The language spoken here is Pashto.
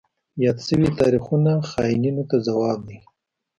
یاد شوي تاریخونه خاینینو ته ځواب دی.